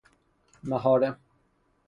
محارم